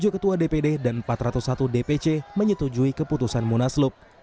tujuh ketua dpd dan empat ratus satu dpc menyetujui keputusan munaslup